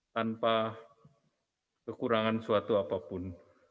tanpa kekurangan suatu apapun